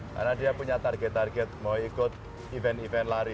karena dia punya target target mau ikut event event lari